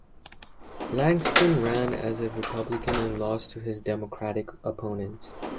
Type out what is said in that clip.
Langston ran as a Republican and lost to his Democratic opponent.